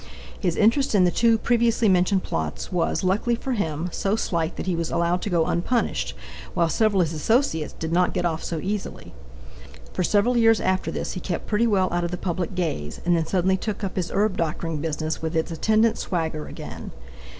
His interest in the two previously mentioned plots was, luckily for him, so slight that he was allowed to go unpunished, while several of his associates did not get off so easily. For several years after this he kept pretty well out of the public gaze, and then suddenly took up his herb doctoring business with its attendant swagger again.